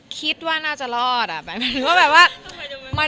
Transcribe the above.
คิดว่าน่าจะรอดอ่ะ